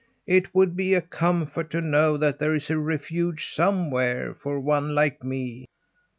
It would be a comfort to know that there is a refuge somewhere for one like me."